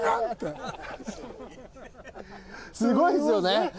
すごいですよね。